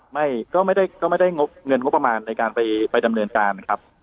ไม่ก็ไม่ได้เงินงบประมาณในการไปดำเนินการนะครับ